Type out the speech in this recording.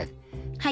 はい。